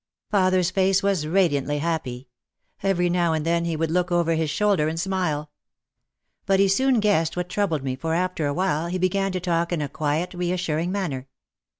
Father's face was radiantly happy. Every now and then he would look over his shoulder and smile. But he soon guessed what troubled me for after a while he be gan to talk in a quiet, reassuring manner.